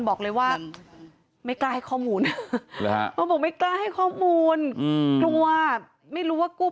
บอกเลยว่าไม่กล้าให้ข้อมูลเขาบอกไม่กล้าให้ข้อมูลกลัวไม่รู้ว่ากู้